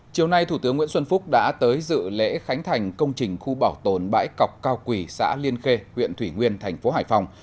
chiều nay thủ tướng nguyễn xuân phúc đã tới dự lễ khánh thành công trình khu bảo tồn bãi cọc cao quỳ xã liên khê huyện thủy nguyên thành phố hải phòng